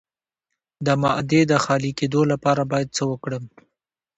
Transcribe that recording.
د معدې د خالي کیدو لپاره باید څه وکړم؟